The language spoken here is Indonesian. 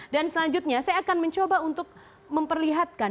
dan selanjutnya saya akan mencoba untuk memperlihatkan